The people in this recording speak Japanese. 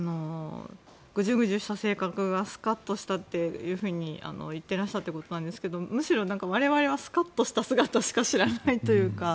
ぐじゅぐじゅした性格がスカッとしたと言ってらしたということですがむしろ我々はスカッとした姿しか知らないというか。